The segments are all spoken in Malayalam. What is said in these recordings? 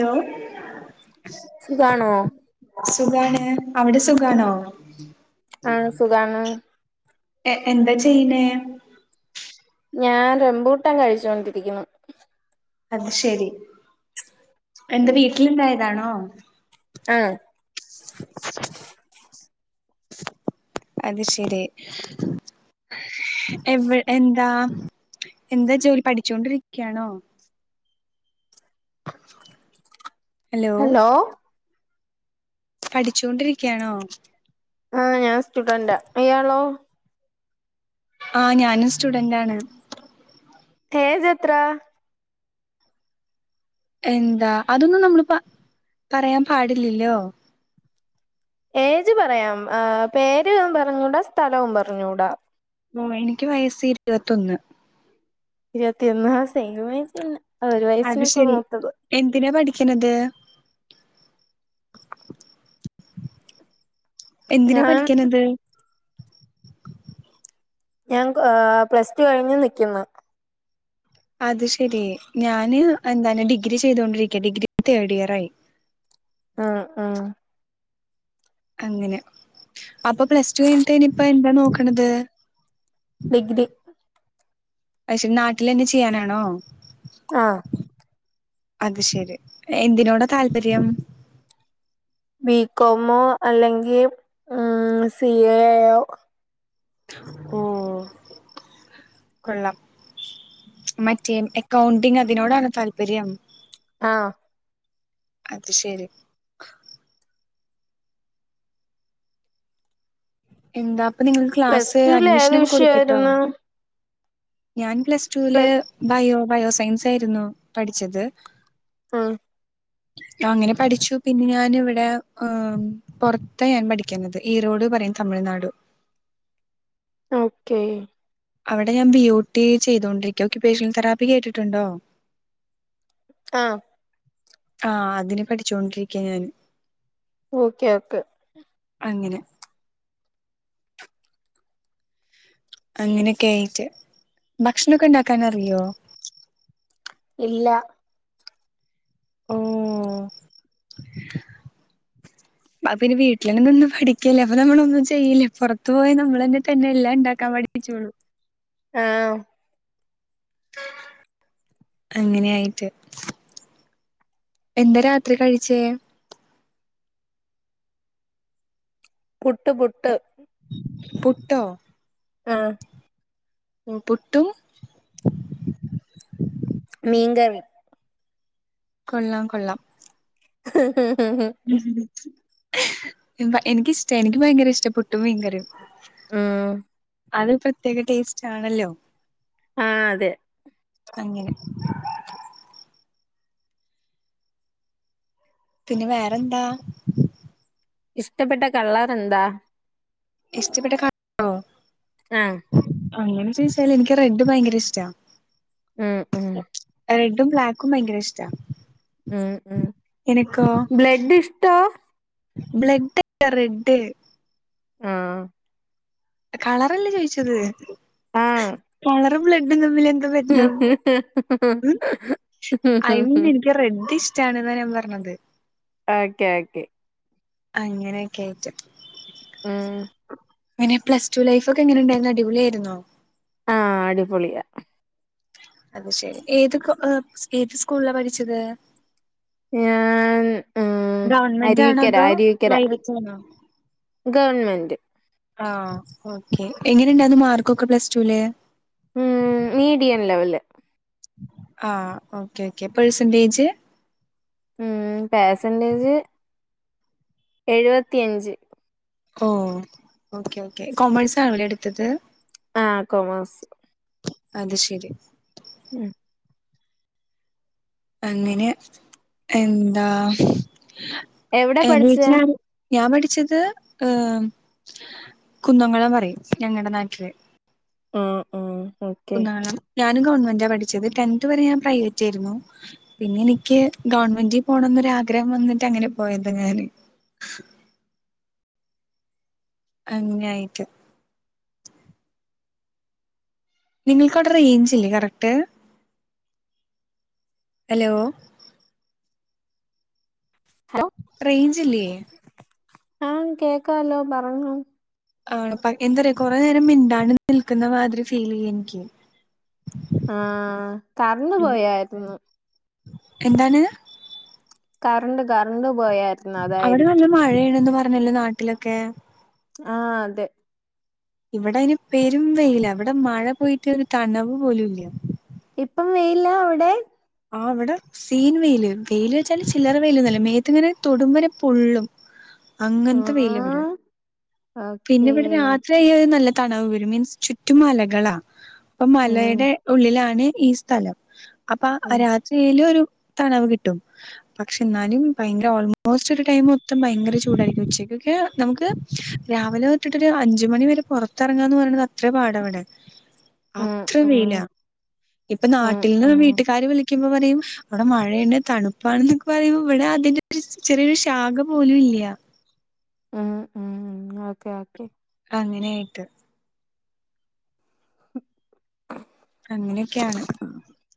ലോ സുഖാണോ? സുഖാണ്. അവിടെ സുഖാണോ? ആഹ് സുഖാണ്. എ, എന്താ ചെയ്യ്ണേ ഞാൻ റമ്പൂട്ടാൻ കഴിചോണ്ടിരിക്കുവാ അത് ശെരി, എന്താ വീട്ടില്ണ്ടായതാണോ ആഹ അത് ശെരി [inaudible] എവ് എന്താ എന്താ ജോലി, പഠിച്ചോണ്ടിര്ക്കാണോ? [inaudible] ഹലോ പഠിച്ചോണ്ടിര്ക്കാണോ? ആ ഞാൻ സ്റ്റുഡന്റാ, ഇയാളോ? ആ ഞാനും സ്റ്റുഡൻറ്റാണ്. ഏജെത്ര എന്താ അതൊന്നും നമ്മള് പ പറയാൻ പാടില്ലല്ലോ ഏജ് പറയാം ഏഹ് പേര് പറഞ്ഞൂടാ, സ്ഥലവും പറഞ്ഞൂടാ ഓഹ്, എനിക്ക് വയസ്സ് ഇരുവത്തൊന്ന് ഇരുവത്തിഒന്ന്, ആഹ് സെയിംബിച്ചന്നെ അത് ശെരി, എന്തിനാ പഠി ക്ക്‌ണത് എന്തിനാ ഞാൻ പഠിക്ക്‌ണത്? ഞാൻ ഏഹ് പ്ലസ് ടു കഴിഞ്ഞ് നിക്ക്‌ന്ന് അത് ശെരി, ഞാന് എന്താന് ഡിഗ്രി ചെയ്തോണ്ടിരിക്ക, ഡിഗ്രി തേർഡിയറായി ആഹ് ആഹ് അങ്ങനെ, അപ്പൊ പ്ലസ്ടു കഴിഞ്ഞിട്ടിനിപ്പന്താ നോക്ക്‌ണത്? ഡിഗ്രി. അത് ശെരി, നാട്ടിലന്നെ ചെയ്യാനാണോ? ആഹ് അത് ശെരി, എന്തിനോടാ താല്പര്യം ബികോമോ അല്ലെങ്കിൽ ഏഹ് സി എ എയോ ഓഹ്, കൊള്ളാം. മറ്റേ, എക്കൗണ്ടിങ് അതിനോടാണോ താല്പര്യം ആഹ് അത് ശെരി. എന്താപ്പൊ നിങ്ങൾക്ക്‌ പ്ലസ് ക്ലാസ് ടുവിൽ ഏത് അഡ്മിഷനൊക്കെ കൊടുത്തിട്ടോ വിഷയായിരുന്നു ഞാൻ പ്ലസ്റ്റൂല് പ്ലസ് ബയോ ബയോസയൻസായിരുന്നു പഠിച്ചത്. ആഹ് അങ്ങനെ പഠിച്ചു പിന്നെ ഞാന് ഇവിടെ ഏഹ് പൊറത്ത ഞാൻ പഠിക്കുന്നത് ഈറോട് പറയുന്ന തമിഴ് നാട്. ഓക്കെ. അവിടെ ഞാൻ ബിയൂട്ടി ചെയ്തോണ്ടിരിക്കുവാ, ഒക്യുപേഷ ൻ തറാപ്പിൽ കേട്ടിട്ടുണ്ടോ? ആഹ് ആ അതിന് പഠിച്ചോണ്ടിരിക്ക ഞാൻ ഓക്കെ ഓക്കെ അങ്ങനെ അങ്ങനെയൊക്കെ ആയിട്ട് ഭക്ഷണൊക്കെണ്ടാക്കാൻ അറിയോ ഇല്ല ഓ അ പിന്നെ വീട്ടിലങ്ങനൊന്നും പഠിക്കല്ല അപ്പൊ നമ്മളൊന്നും ചെയ്യില്ല പൊറത്തു പോയി നമ്മൾ തന്നെടു പിന്നെല്ലാം ഇണ്ടാക്കാൻ പഠിപ്പിച്ചോള്ളും ആഹ് അങ്ങനെയായിട്ട് എന്താ രാത്രി കഴിച്ചേ പുട്ട് പുട്ട് പുട്ടോ ആ മ് പുട്ടും മീങ്കറീം കൊള്ളാം കൊള്ളാം ഹഹ എനിക്കിഷ്ട എനിക്ക് ഭയങ്കര ഇഷ്ട പുട്ടും മീങ്കറിം മ് അത് പ്രത്യേകടേസ്റ്റ്ണല്ലോ ആഹ അതെ അങ്ങനെ പിന്നെ വേറെന്താ? ഇഷ്ടപ്പെട്ട കള്ളറന്താ? ഇഷ്ടപ്പെട്ട കലാരോ ആഹ അങ്ങനെചോയിച്ചാല് എനിക്ക് റെഡ് ഭയങ്കരഇഷ്ട്ടാ ഉം ഉം ട്ടുംബ്ലാക്കും ഭയങ്കരഇഷ്ട ഉം ഉം ബ്ലഡ്ഇഷ്ട്ടാ? ബ്ലഡ്ല്ല റെഡ് ആഹ കളറല്ലേചോയിച്ചത് ആഹ് കളറ്ബ്ലാ ടും തമ്മിൽ എന്താ ബന്ധം ഐ മീൻ ഇൻക്കാ റെഡ്ഡി ഇഷ്ടാണ്ന്ന ഞാപറ ഞ്ഞത് ഓക്കെ ഓക്കെ അങ്ങനെയൊക്കെആയിട്ട് ഉം ങ്ങനെ പ്ലസ്റ്റുലൈഫോക്കെ എങ്ങനെണ്ടായിനു അടിപൊളിയയിരുന്നോ? ആഹ് അടിപൊളിയാ അത്ശരി ഏത് ഏത് സ്കൂള്ളാപഠിച്ചത്? ഞാൻ ഉം ഗവൺമെന്റ് ആണോ അതോ അരിവിക്കരഅരിവിക്കരാ പ്രൈവറ്റ് ആണോ ഗവൺമെന്റ് ആ ഓകെ എങ്ങനെണ്ടയ്രുന്നു മാർക്കൊക്കെപ്ലസ്റ്റുല്? ഉം മീഡിയംലെവല് ആ ഓക്കെഓക്കെ പെർസെന്റേജ്? ഉം പെർസെന്റേജ് എഴുപത്തിയഞ്ച് ഓ ഓക്കേഓക്കേ കൊമേഴ്സാണോഎടുത്തത്? ആഹ കൊമെയ്സ് അത് ശരി ഉം അങ്ങനെ എന്താ എവിടെ എവീട്ട പഠിച്ചേ ഞാൻപഠിച്ചത് മം മം കുന്നാണ് ഞാനുംഗവൺമെന്റാപഠിച്ചത് ടെൻത്ത് വരെഞാൻ പ്രൈവെറ്റെയിരുന്നു പിന്നെനിക്ക് ഗവൺമെന്റിപോണം ഒരാആഗ്രഹംവന്നിട്ട് അങ്ങനെപോയതഞാന് [inaudible] അങ്ങയിട്ട് നിങ്ങൾക്കവിടെറേഞ്ച്ല്ലേ കറക്റ്റ്? ഹലോ ഹലോ റെയ്ഞ്ച്ല്ലേ? ആഹ കേക്കാലോപറങ്ങോ ആണപ്പ എന്തര കൊറെേനേരം മിണ്ടാണ്ട്നിൽക്കുന്നമാതിരി ഫീലീയ്യൻക്ക് ആഹ തറന്നുപോയായിരുന്നു എന്താണ്? കറണ്ട്കറണ്ട് അവിടെ നല്ലമഴയണെന്ന്പറഞ്ഞല്ലോ നാട്ടിലൊക്കെ? ആഹ അതെ ഇവിടെയ്ന് പെരുംവെയില ഇവിടെമഴപോയിട്ട് ഒരുതണവ്പോലുംല്ല ഇപ്പം വേല്ല അവിടെ ആ അവിടെ സീൻ വെയില് വെയില് വെച്ചാല് ചില്ലറ വെയിലൽ ഒന്നല്ലേ മേത്ത്ങ്ങനെ തൊടുുംമ്പരെ പൊുള്ളും ഉ അങ്ങനത്തെ വെയിലൽവിടെ പിന്നെ ഓക്കേ ഇവിടെ രാത്രിയ്യാൽ നല്ല തണവ് വരും മീൻസ് ചുറ്റുമലകളാ അപ്പൊ ഉം മലയുടെ ഉള്ളിലാണ് ഈ സ്ഥലം അപ്പൊ ഉം രാത്രിയില് ഒരു തളവ് കിട്ടും പക്ഷെ എന്നാലും ഭയങ്കര ഓൾമോസ്റ്റ് ഒരു ടൈം മൊത്തം ഭയങ്കര ചൂടായിരിക്കും ഉച്ചക്ക് ൊക്കെ നമുക്ക് രാവിലെ തട്ടിട്ടൊരു അഞ്ച മണി വരെ പുറത്തിറങ്ങാന്ന് പറയണത് അത്ര പാടവിടെ ഉം അത്ര വേയില ഉം ഇപ്പൊ ഉം നാട്ടിൽന്ന് ഉം വീട്ടുകാാര് വിളിക്ക ുമ്പ പറയും അവിടെ മഴയണ് തണുപ്പാണെന്നൊക്കെ പറയുമ്പോ ഇവിടെ അതിന്റെ ചെറിയൊരു ശാഖ പോലും ഇല്ല ഉം ഉം ഉ ഓക്കെ ഓക്കെ അങ്ങനെയായിട്ട് [inaudible] അങ്ങനെയൊക്കെയാണ്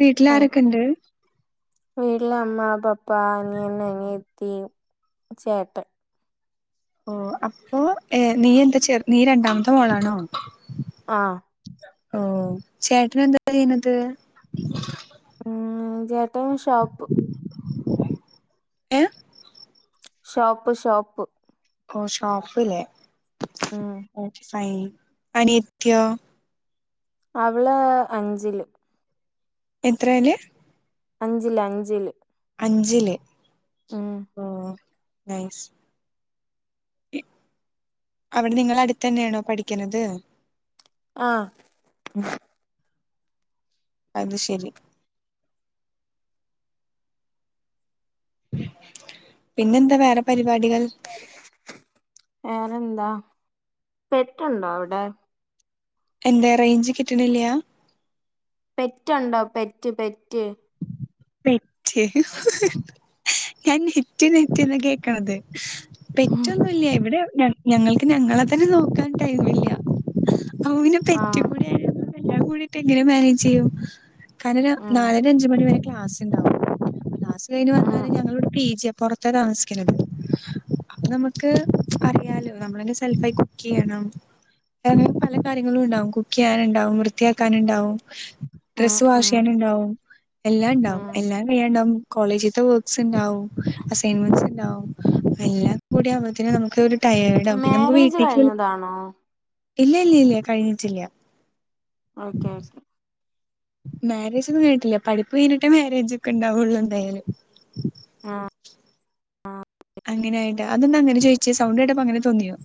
വീട്ടില ആാരൊക്കെ ഇണ്ട് വീട്ടില അമ്മ പപ്പ അനിയൻ അനിയത്തി ചേട്ട ഓ അപ്പൊ ഏർ നീ എന്താ ചെ നീ രണ്ടാമത്തെ മോളാണോ ആഹ ഓ ചേട്ടന് എന്താ ചെയ്യുന്നത് ഉ ചേട്ട ഷോപ്പ് ഏ ഷോപ്പ് ഷോപ്പ് ഓ ഷോപ്പല്ലേ ഉം ഓ ഫ അനിത്യ അവള് അഞ്ചില് എത്രയന അഞ്ചില് അഞ്ചില് അഞ്ചില് ആഹ ഓ നൈസ് അവിടെ നിങ്ങള അടുത്തന്നെയാണോ പഠിക്കുന്നത് ആഹ അത് ശരി പിന്നെന്താ വേറെ പരിപാടികൾ പിന്നെന്താ പെറ്റുണ്ടോ അവിടെ എന്തേ റേഞ്ച് കിട്ടണില്ല്യാ പെറ്റുണ്ടോ പെറ്റ് പെറ്റ് പെറ്റ് ഹ് ഹ് ഹ് ഞാൻ നെറ്റ് നെറ്റ്ന്ന കേക്കണത് ഉം. പെറ്റൊന്നുല്ല്യ ഇവിടെ ഞ ഞങ്ങൾക്ക് ഞങ്ങളെ തന്നെ നോക്കാൻ ടൈമില്ല്യ അപ്പോ പിന്നെ ആ പെറ്റ് കൂടി ആ യാ എല്ലാം കൂടീട്ട് എങ്ങനെ മാനേജ് ചെയ്യും [unintelligible] ഉം നാലര അഞ്ച് മണി വരെ ക്ലാസ് ഇണ്ടാവും ക്ലാസ് കഴിഞ്ഞ് ഉം വന്നാല് ഞങ്ങള് വിടെ പി ജി പൊറത്തേ [unintelligible] അപ്പൊ നമക്ക് അറിയാലോ നമ്മളെന്നെ സെൽഫായി കുക്കെയ്യണം [unintelligible] പല കാര്യങ്ങളും ഉണ്ടാവും കുക്ക് ചെയ്യാന് ഉണ്ടാവും വൃത്തിയാക്കാന് ഉണ്ടാവും ഉം ഡ്രസ്സ് വാഷ് ഉം ചെയ്യാനുണ്ടാവും എല്ലാംണ്ടാവും ഉം എല്ലാം കഴാണ്ടാവും കോളേജീത്തെ വർക്ക്സ് ഉണ്ടാവും അസൈൻമെന്റ്സ് ഉണ്ടാവും എല്ലാം കൂടി ആവുമ്പോത്തിന് നമുക്ക് ടയേർഡ് ആവും പിന്നെ നമുക്ക് മാരേജ് വീട്ടിലേക്ക് വിളി കഴിഞ്ഞതാണോ ഇല്ല്യ ഇല്ല്യ ഇല്ല്യ കഴിഞ്ഞിട്ടില്ല്യ ഓക്കെ ഓക്കേ മേരേജ് ഒന്നും കയിഞ്ഞിട്ടില്ല പഠിപ്പ് കഴിഞ്ഞിട്ടേ മേരേജൊക്കെ ഉണ്ടാവുള്ളൂ എന്തായാലും ആഹ് ആഹ് അങ്ങനേ ആയിട്ട് അതെന്താ അങ്ങനെചോയിച്ചേ സൗണ്ട് കേട്ടപ്പോ അങ്ങനെ തോന്നിയോ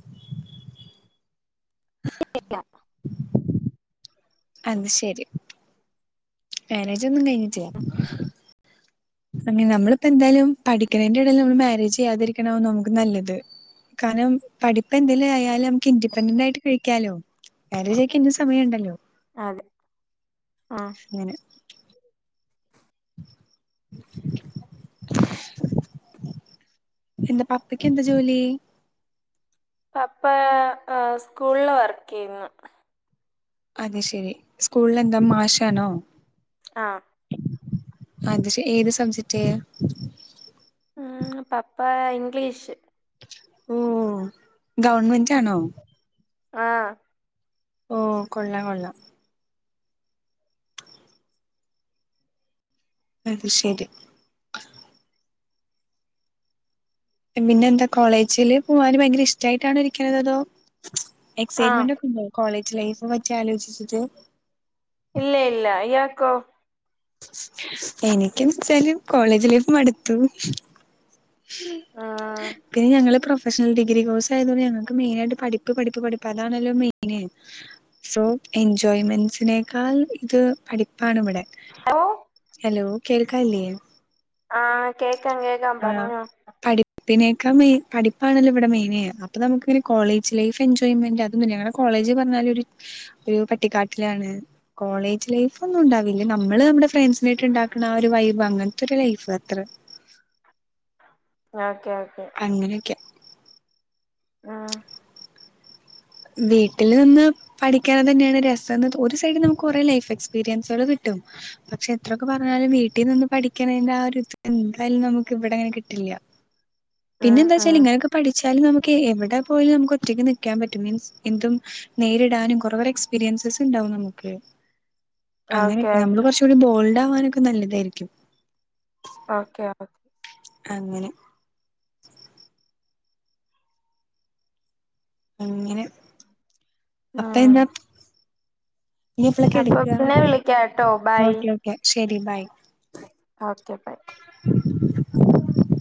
[unintelligible] അത് ശരി..... മേരേജൊന്നും കഴിഞ്ഞിട്ടില്ല... അങ്ങനെ നമ്മളിപ്പോ എന്തായാലും പഠിക്കണയിന്റെ എടേല് നമ്മള് മാരേജ് ചെയ്യാതിരിക്ക്ണാവും നമുക്ക് നല്ലത്..... കാരണം പഠിപ്പ് എന്തേലും ആയാല് നമക്ക് ഇൻഡിപെൻഡന്റ് ആയിട്ട് കഴിക്കാലോ..... മേരേജൊക്കെ ഇഞ്ഞും സമയണ്ടല്ലോ..... അതെ ആ ഇങ്ങനെ [inaudible] എന്റെ പപ്പക്ക് എന്താ ജോലി..... പപ്പ ഏ അ സ്കൂൾല് വർക്ക് ചെയ്യുന്നു..... അത് ശെരി സ്കൂളിലെന്താ മാശാനോ.... ആഹ്.... അത് ക്ഷ ഏത് സബ്ജെക്റ്റ്.. ചെയ്യാ.... ഉം പപ്പാ ഇംഗ്ലീഷ്.... ഓ.. ഗവൺമെന്റാണോ... ആഹ്.... ഓ കൊള്ളാം കൊള്ളാം...... അത് ശരി...... പിന്നെന്താ കോളേജില് പോവാന് ഭയങ്കര. ഇഷ്ടായി ട്ടാണോ ഇരിക്കണത് അതോ.. ആ എക്സൈറ്റ്മെന്റ് ഒക്കെ കോളേജ് ലൈഫ്'പറ്റി ആലോയ്ചിട്ട്....... ഇല്ല്യ ഇല്ല്യ ഇയാക്കോ..... എനിക്കെന്തുച്ചാല്... കോളേജ് ലൈഫ് മടുത്തു ഉം. പിന്നെ ഞങ്ങള്... പ്ര പ്രഷണൽ സിഗ്രി കോഴ്സായത് കൊണ്ട് ഞ്ഞങ്ങക്ക് മെയ്നായിട്ട് പഠിപ്പ് പഠിപ്പ് പഠിപ്പ് അതാണല്ലോ മെയ്ന് സോ എൻജോയ്മെൻറ്സിനേക്കാൾ.. [unintelligible] പഠിപ്പാണ് ഇവടെ.... ഓ ഹലോ കേൾക്കാല്ല്യേ.. ആഹ് കേക്കാം കേക്കാം പറഞ്ഞോ...... പിന്നെയൊക്കെ മെയിൻ പഠിപ്പാണല്ലോ ഇവിടെ മെയിന്. അപ്പൊ നമുക്ക് കോളേജ് ലൈഫ് എൻജോയ്മെന്റ് അതൊന്നുല്ല്യ കാരണം കോളേ കോളേജ് പറഞ്ഞാല് ഒര് ഒര് പട്ടിക്കാട്ടിലാണ് കോളേജ്‌ലൈഫൊന്നും ണ്ടാവില്ല നമ്മള് ഇവടെ ഫ്രണ്ട്സിനെറ്റ് ഉണ്ടാക്ക്ണ ആ ഒരു വൈബ് അങ്ങൻത്തെ ഒരു ലൈഫ് അത്ര....... ആഹ..... അങ്ങനെയൊക്കെ ആഹ. വീട്ടിൽ നിന്ന് പഠിക്കണത് തന്നെയാണ് രസം ഒരു സൈഡിൽ നമുക്ക് കുറെേ ലൈഫ് എക്സ്പീരിയൻസുകൾ കിട്ടും.... പക്ഷെ എത്രയൊക്കെ പറഞ്ഞാലും വീട്ടിൽ നിന്നന്ന് പഠിക്കണതിന്റെ ആ ഒരു ഇത്എന്തായാലും നമുക്ക് ഇവടങ്ങനെ കിട്ടില്ല പിന്നെ ഉം എന്താ ഉം വച്ചാല് ഇങ്ങനെ ഒക്കെ പഠിച്ചാല് നമുക് എവിടെ പോയലും നമുക്ക് ഒറ്റക്ക് നിക്കാൻ പ മീൻസ് എന്തും നേരിടാനും കൊറെ കൊറെ എക്സ്പീരിയൻസ് ഉണ്ടാകും നമുക്ക് അങ്ങനെ ഓക്കെ നമ്മള് ഓക്കെ കുറച്ചൊരു ബോൾഡ് അവനോകെ നല്ലതായിരിക്കും [unintelligible] ഓക്കെ ഓക്കെ.... അങ്ങനെ..... അങ്ങനെ ഉം അപ്പേന്താ ഇ ഇപ്പളൊക്കെ അപ്പൊ കെടുക്കുകാ പിന്നെ വിളിക്കാട്ടോ ഓക്കേ ഓക്കെ ശരി ബൈ...... ഓകെ ബൈ